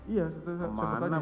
iya seharusnya saya bertanya